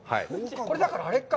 これだから、あれか。